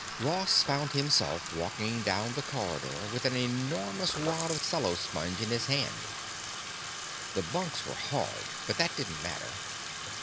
Ross found himself walking down the corridor with an enormous wad of cellosponge in his hand. The bunks were hard, but that didn't matter.